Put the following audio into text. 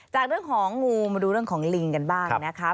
จากเรื่องของงูมาดูเรื่องของลิงกันบ้างนะคะ